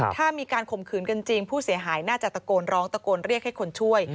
ถ้ามีการข่มขืนกันจริงผู้เสียหายน่าจะตะโกนร้องตะโกนเรียกให้คนช่วย